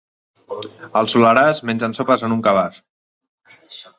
Al Soleràs mengen sopes en un cabàs.